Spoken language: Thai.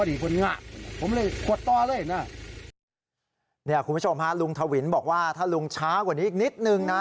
คุณผู้ชมฮะลุงทวินบอกว่าถ้าลุงช้ากว่านี้อีกนิดนึงนะ